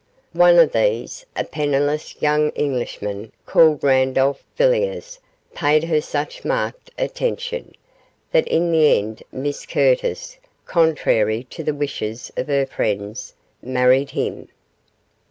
One of these, a penniless young Englishman, called Randolph Villiers, payed her such marked attention, that in the end Miss Curtis, contrary to the wishes of her friends, married him.